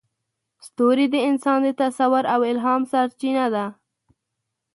ستوري د انسان د تصور او الهام سرچینه ده.